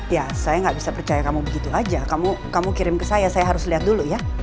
ya saya nggak bisa percaya kamu begitu aja kamu kirim ke saya saya harus lihat dulu ya